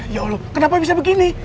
ya allah kenapa bisa begini